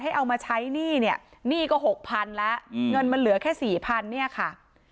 เอามาใช้หนี้เนี่ยหนี้ก็หกพันแล้วเงินมันเหลือแค่สี่พันเนี่ยค่ะ